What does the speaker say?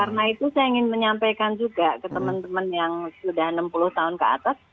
karena itu saya ingin menyampaikan juga ke teman teman yang sudah enam puluh tahun ke atas